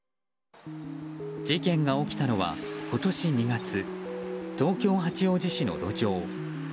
事件が起きたのは今年２月東京・八王子市の路上。